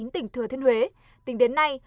tỉnh thừa thiên huế tỉnh đến nay